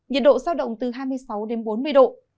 nhiệt độ giao động từ hai mươi sáu đến bốn mươi độ